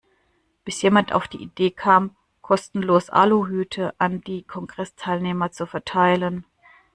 Bis jemand auf die Idee kam, kostenlos Aluhüte an die Kongressteilnehmer zu verteilen.